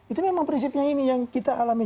itu memang prinsipnya ini yang kita alami